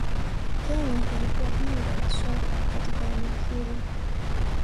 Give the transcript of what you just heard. Kenya ilikuwa bingwa wa soka katika eneo hili